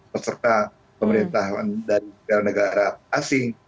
peserta pemerintahan dari negara negara asing